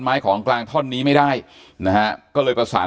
ของกลางท่อนนี้ไม่ได้นะฮะก็เลยประสาน